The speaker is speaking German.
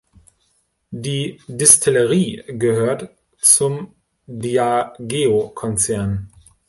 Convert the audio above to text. Die Destillerie gehört zum Diageo-Konzern.